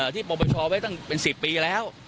ที่ประประชาไปตั้งเป็น๑๐ปีแล้ว